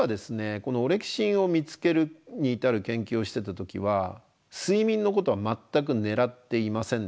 このオレキシンを見つけるに至る研究をしてた時は睡眠のことは全く狙っていませんでした。